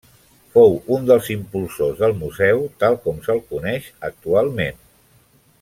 Fou un dels impulsors del museu tal com se'l coneix actualment.